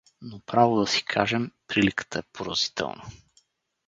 — Но, право да си кажем, приликата е поразителна.